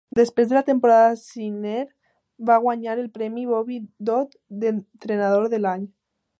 Després de la temporada, Snyder va guanyar el premi Bobby Dodd d'Entrenador de l'Any.